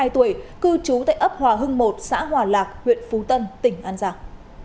hai mươi tuổi cư trú tại ấp hòa hưng một xã hòa lạc huyện phú tân tỉnh an giang